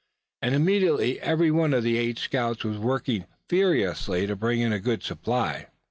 And immediately every one of the eight scouts was working furiously to bring in a good supply.